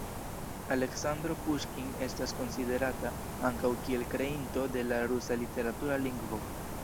Aleksandro Puŝkin estas konsiderata ankaŭ kiel kreinto de la rusa literatura lingvo.